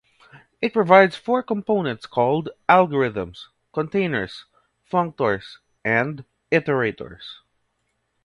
It provides four components called "algorithms", "containers", "functors", and "iterators".